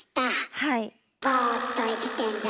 はい。